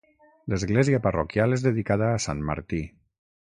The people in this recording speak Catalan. L’església parroquial és dedicada a sant Martí.